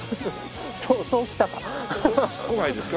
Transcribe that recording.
そうきたか。